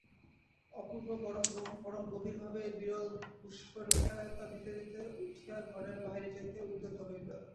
অপূর্ব পরম গম্ভীরভাবে বিরল গুম্ফরেখায় তা দিতে দিতে উঠিয়া ঘরের বাহিরে যাইতে উদ্যত হইল।